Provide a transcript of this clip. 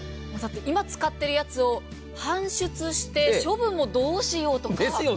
今使っているやつを搬出して処分もどうしようとか。